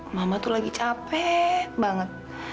mama tuh lagi capek banget